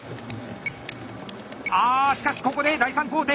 あしかしここで第３工程。